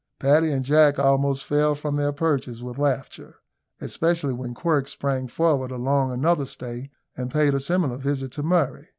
Paddy and Jack almost fell from their perches with laughter, especially when Quirk sprang forward along another stay, and paid a similar visit to Murray.